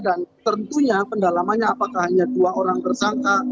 dan tentunya pendalamannya apakah hanya dua orang tersangka